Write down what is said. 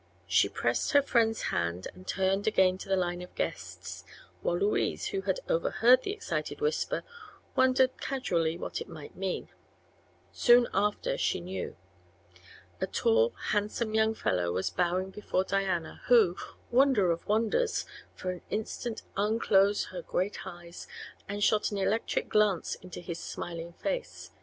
She pressed her friend's hand and turned again to the line of guests, while Louise, who had overheard the excited whisper, wondered casually what it might mean. Soon after she knew. A tall, handsome young fellow was bowing before Diana, who wonder of wonders! for an instant unclosed her great eyes and shot an electric glance into his smiling face.